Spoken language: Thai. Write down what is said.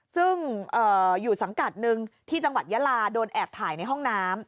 ซึ่งอยู่สังกัดหนึ่งที่จังหวัดยาลาโดนแอบถ่ายในห้องน้ำ